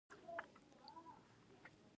ننګرهار د افغانستان د سیلګرۍ برخه ده.